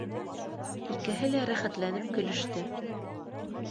Икеһе лә рәхәтләнеп көлөштө